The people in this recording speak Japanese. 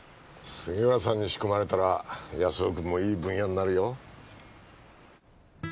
杉浦さんに仕込まれたら安雄くんもいいブンヤになるよ。